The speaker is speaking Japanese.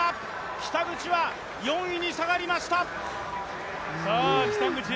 北口は４位に下がりました。